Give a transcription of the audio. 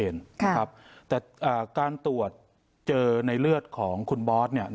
แต่การตรวจเจอในเลือดของคุณบอส